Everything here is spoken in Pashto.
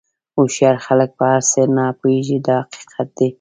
هوښیار خلک په هر څه نه پوهېږي دا حقیقت دی.